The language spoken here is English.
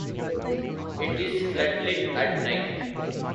It is floodlit at night.